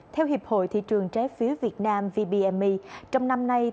theo hiệp hội thị trường trái phiếu việt nam vbm trong năm nay